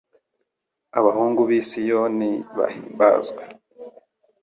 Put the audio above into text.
abahungu b’i Siyoni bahimbazwe